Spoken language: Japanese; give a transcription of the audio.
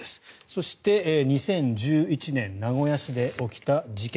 そして、２０１１年名古屋市で起きた事件。